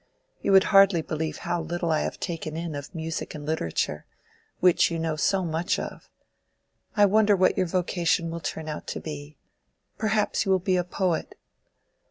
You would hardly believe how little I have taken in of music and literature, which you know so much of. I wonder what your vocation will turn out to be: perhaps you will be a poet?"